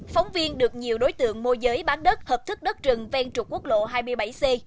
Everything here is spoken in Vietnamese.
phóng viên được nhiều đối tượng mua giới bán đất hợp thức đất rừng ven trục quốc lộ hai mươi bảy c